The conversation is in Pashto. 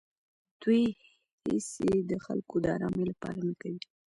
دوی هېڅې د خلکو د ارامۍ لپاره نه کوي.